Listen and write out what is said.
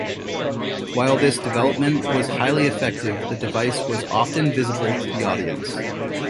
While this development was highly effective, the device was often visible to the audience.